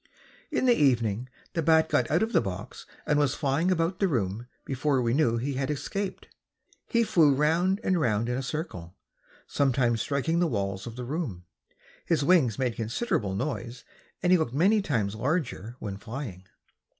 In the evening the bat got out of the box and was flying about the room before we knew he had escaped. He flew round and round in a circle, sometimes striking the walls of the room. His wings made considerable noise and he looked many times larger when flying.